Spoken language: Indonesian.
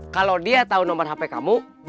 kalau dia tahu nomor hp kamu